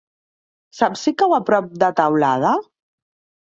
Saps si cau a prop de Teulada?